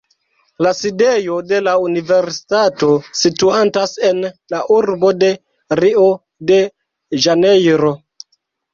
La sidejo de la universitato situantas en la urbo de Rio-de-Ĵanejro.